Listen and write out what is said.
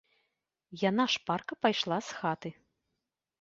Яна шпарка пайшла з хаты.